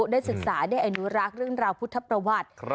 ได้ศึกษาได้อนุรักษ์เรื่องราวพุทธประวัติ